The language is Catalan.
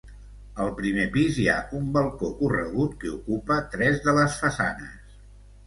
Al primer pis hi ha un balcó corregut que ocupa tres de les façanes.